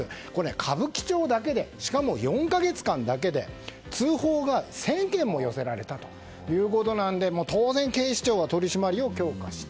歌舞伎町だけでしかも４か月間だけで通報が１０００件も寄せられたということなので当然、警視庁は取り締まりを強化した。